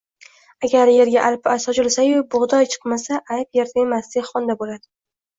Agar yerga arpa sochilsa-yu, bug‘doy chiqmasa, ayb yerda emas, dehqonda bo‘ladi.